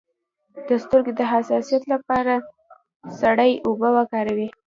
د سترګو د حساسیت لپاره سړې اوبه وکاروئ